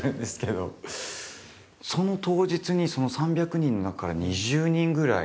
その当日に３００人の中から２０人ぐらい。